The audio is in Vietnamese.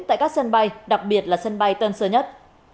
tại các sân bay đặc biệt là sân bay tân sơn nhất